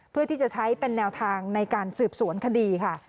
เพื่อที่จะใช้เป็นแนวทางในการสืบสวนคดีค่ะ